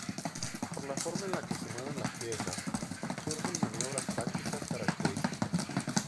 Por la forma en la que se mueven las piezas, surgen maniobras tácticas características.